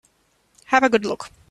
Have a good look.